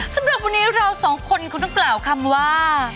สำหรับวันนี้เราสองคนคุณต้องกล่าวคำว่า